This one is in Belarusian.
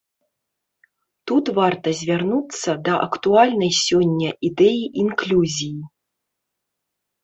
Тут варта звярнуцца да актуальнай сёння ідэі інклюзіі.